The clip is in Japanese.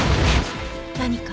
何か？